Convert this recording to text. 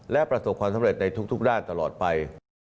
และประสบความสำเร็จในทุกด้านตลอดไป